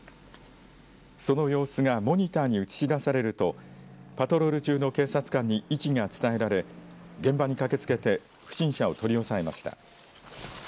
その様子がモニターに映し出されるとパトロール中の警察官に位置が伝えられ現場に駆けつけて不審者を取り押さえました。